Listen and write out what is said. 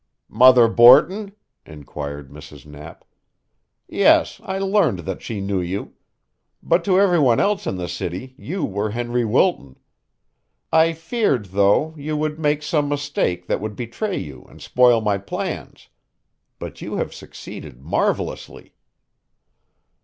"Mother Borton?" inquired Mrs. Knapp. "Yes, I learned that she knew you. But to every one else in the city you were Henry Wilton. I feared, though, you would make some mistake that would betray you and spoil my plans. But you have succeeded marvelously."